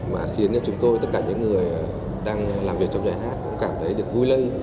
và khiến cho chúng tôi tất cả những người đang làm việc trong nhà hát cũng cảm thấy được vui lây